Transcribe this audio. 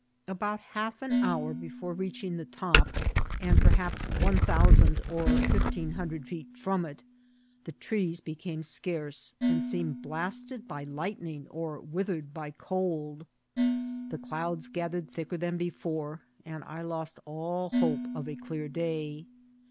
About half an hour before reaching the top, and perhaps one thousand or fifteen hundred feet from it, the trees be came scarce, and seemed blasted by lightning or with ered by cold. The clouds gathered thicker than before, and I lost all hope of a clear day.